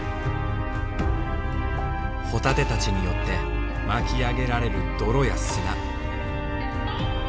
ホタテたちによって巻き上げられる泥や砂。